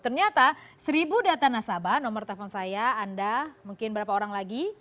ternyata seribu data nasabah nomor telepon saya anda mungkin berapa orang lagi